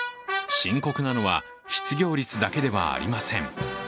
深刻なのは失業率だけではありません。